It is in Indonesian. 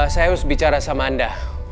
saya harus bicara sama anda